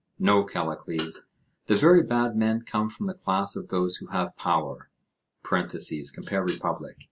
No, Callicles, the very bad men come from the class of those who have power (compare Republic).